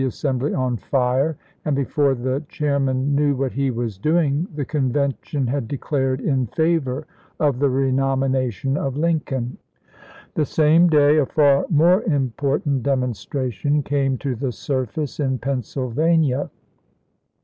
assembly on fire, and before the chairman knew what he was doing the Convention had declared in favor of the renomination of Lincoln. The same day a far more important demonstra tion came to the surface in Pennsylvania.